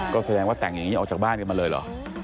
ก็แสดงว่าแต่งอย่างนี้ออกจากบ้านกันมาเลยเหรอ